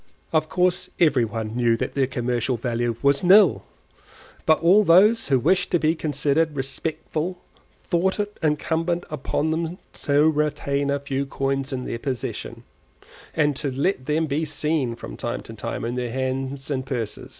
Of course every one knew that their commercial value was nil, but all those who wished to be considered respectable thought it incumbent upon them to retain a few coins in their possession, and to let them be seen from time to time in their hands and purses.